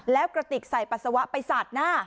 แล้วกระติกใส่ปัสสาวะไปสาดหน้า